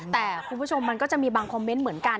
แต่คุณผู้ชมมันก็จะมีบางคอมเมนต์เหมือนกัน